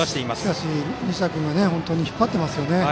しかし西田君が本当に引っ張ってますね。